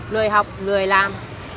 lười học lười làm